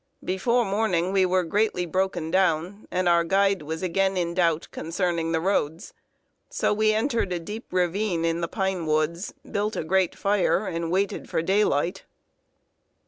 Before morning we were greatly broken down, and our guide was again in doubt concerning the roads. So we entered a deep ravine in the pine woods, built a great fire, and waited for daylight.